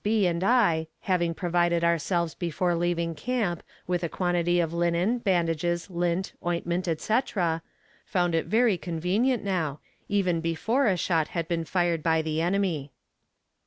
B. and I, having provided ourselves before leaving camp, with a quantity of linen, bandages, lint, ointment, etc. found it very convenient now, even before a shot had been fired by the enemy.